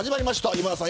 今田さん